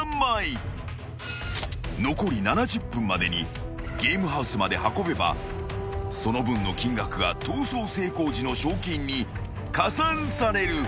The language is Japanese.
［残り７０分までにゲームハウスまで運べばその分の金額が逃走成功時の賞金に加算される］